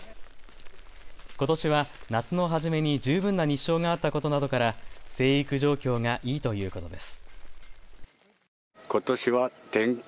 ことしは夏の初めに十分な日照があったことなどから生育状況がいいということです。